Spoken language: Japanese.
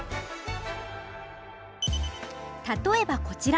例えばこちら。